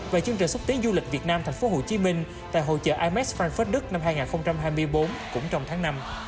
và chương trình xúc tiến du lịch việt nam tp hcm tại hội chợ ims frankfurt đức năm hai nghìn hai mươi bốn cũng trong tháng năm